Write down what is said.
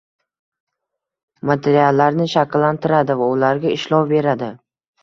materiallarini shakllantiradi va ularga ishlov beradi;